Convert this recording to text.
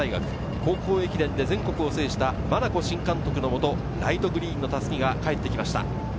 高校駅伝で全国を制した真名子新監督のもと、ライトグリーンの襷が帰ってきました。